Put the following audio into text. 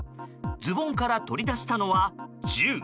ズボンから取り出したのは銃。